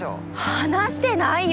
話してないよ！